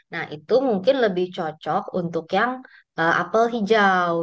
nah itu mungkin lebih cocok untuk yang apel hijau